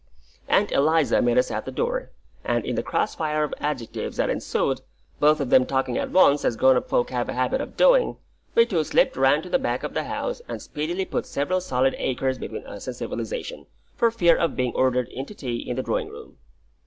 Aunt Eliza met us at the door, and in the cross fire of adjectives that ensued both of them talking at once, as grown up folk have a habit of doing we two slipped round to the back of the house, and speedily put several solid acres between us and civilisation, for fear of being ordered in to tea in the drawing room.